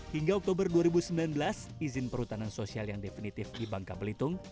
hingga oktober dua ribu sembilan belas izin perhutanan sosial yang definitif di bangka belitung